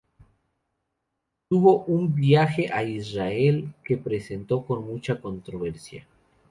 Tuvo un viaje a Israel que presentó mucha controversia.